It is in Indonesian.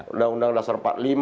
undang undang dasar empat puluh lima